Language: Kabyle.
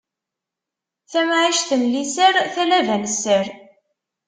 Tamɛict n liser, talaba n sser.